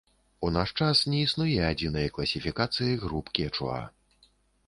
У наш час не існуе адзінай класіфікацыі груп кечуа.